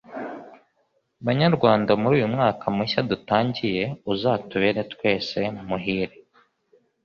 Banyarwanda muri uyu mwaka mushya dutangiye uzatubere twese muhire